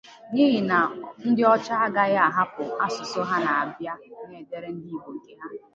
n'ihi na ndị ọcha agaghị ahapụ asụsụ ha bịa na-edere ndị Igbo nke ha